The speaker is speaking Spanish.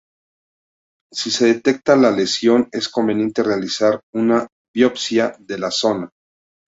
Si se detecta la lesión es conveniente realizar una biopsia de la zona.